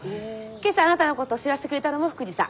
今朝あなたのこと知らせてくれたのも福治さん。